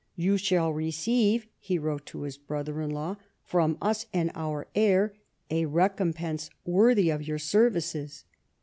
"You shall receive," he wrote to his brother in law, "from us and our heir a recompense worthy of your services."